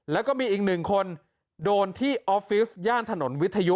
แล้วก็มีอีกหนึ่งคนโดนที่ออฟฟิศย่านถนนวิทยุ